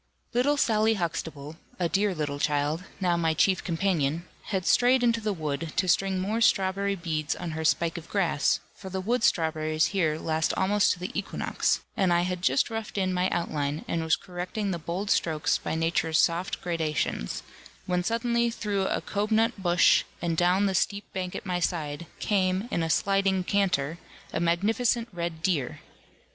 Little Sally Huxtable, a dear little child, now my chief companion, had strayed into the wood to string more strawberry beads on her spike of grass, for the wood strawberries here last almost to the equinox; and I had just roughed in my outline, and was correcting the bold strokes, by nature's soft gradations; when suddenly through a cobnut bush, and down the steep bank at my side, came, in a sliding canter, a magnificent red deer.